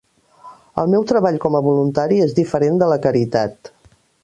El meu treball com a voluntari és diferent de la caritat.